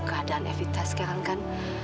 keadaan evita sekarang kan